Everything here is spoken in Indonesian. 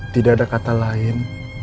tidak ada kata lain